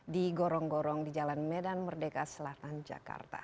di gorong gorong di jalan medan merdeka selatan jakarta